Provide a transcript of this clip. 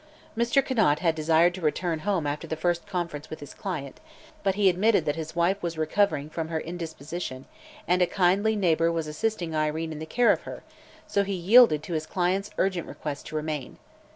Mr. Conant had desired to return home after the first conference with his client, but he admitted that his wife was recovering from her indisposition and a kindly neighbor was assisting Irene in the care of her, so he yielded to his client's urgent request to remain.